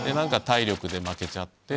体力で負けちゃって。